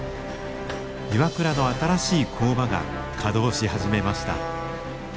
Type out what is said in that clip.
ＩＷＡＫＵＲＡの新しい工場が稼働し始めました。